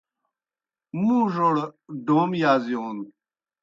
مُوڙوْڑ ڈوم یازِیون